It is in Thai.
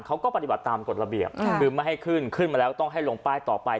เขาก็ปฏิบัติตามกฎระเบียบคือไม่ให้ขึ้นขึ้นมาแล้วต้องให้ลงป้ายต่อไป